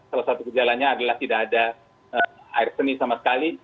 salah satu gejalanya adalah tidak ada air seni sama sekali